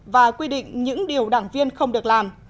và quy định những điều đảng viên không được làm